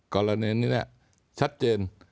กรณีนี้ชัดเจน